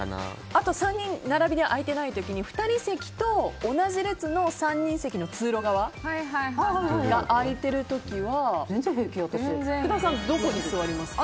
あと３人並びで空いていない時に２人席と同じ列の３人席の通路側が空いてる時は福田さんどこに座りますか？